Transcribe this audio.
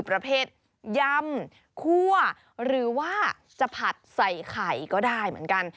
ประเภทยำคั่วหรือว่าจะผัดใส่ไข่ก็ได้เหมือนกัน